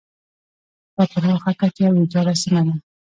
په پراخه کچه ویجاړه سیمه ده.